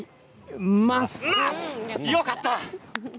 よかった。